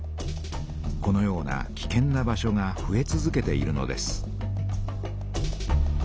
このようなきけんな場所がふえ続けているのです。